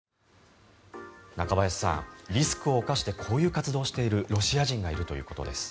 中林さん、リスクを冒してこういう活動しているロシア人がいるということです。